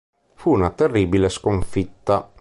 Fu una terribile sconfitta.